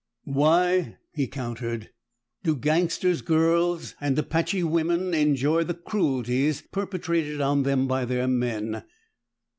"Why," he countered, "do gangsters' girls and apache women enjoy the cruelties perpetrated on them by their men?